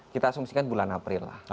kita asumsikan bulan april lah